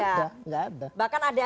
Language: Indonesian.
ya enggak enggak enggak